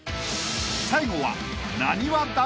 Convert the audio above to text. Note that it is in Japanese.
［最後は］